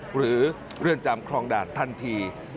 หรือเรือนจำคลองด่านทันที